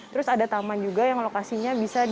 terus ada taman juga yang lokasinya bisa di